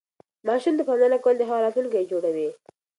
ماشوم ته پاملرنه کول د هغه راتلونکی جوړوي.